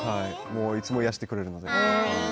いつも癒やしてくれるので。